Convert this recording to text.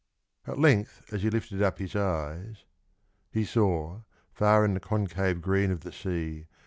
At length as he lifted up his eyes, He saw, far in the concave green of the sea.